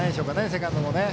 セカンドも。